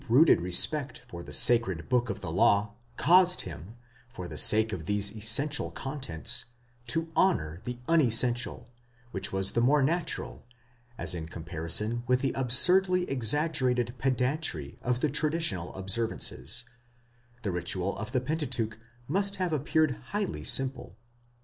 his deep rooted respect for the sacred book of the law, caused him, for the sake of these essential contents, to honour the unessential; which was the more natural, as in comparison with the absurdly exaggerated pedantry of the traditional observances, the ritual of the Pentateuch must have appeared highly simple.